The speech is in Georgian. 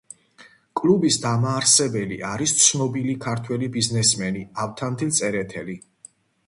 კლუბის დამაარსებელი არის ცნობილი ქართველი ბიზნესმენი ავთანდილ წერეთელი.